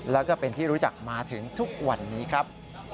แล้วก็เป็นที่รู้จักมาถึงทุกวันนี้ครับ